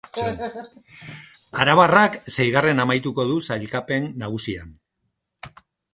Arabarrak seigarren amaituko du sailkapen nagusian.